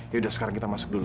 yaudah sekarang kita masuk dulu